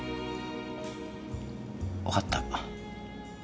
分かった。